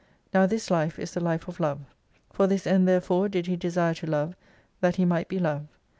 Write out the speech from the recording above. Now this life is the life of Love. For this end therefore did He desire to Love, that He might be Love.